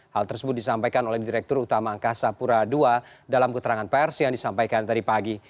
hal tersebut disampaikan oleh direktur utama angkasa pura ii dalam keterangan pers yang disampaikan tadi pagi